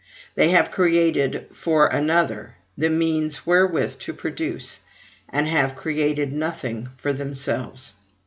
they have created for another the means wherewith to produce, and have created nothing for themselves.